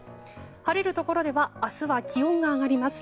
晴れるところでは明日は気温が上がります。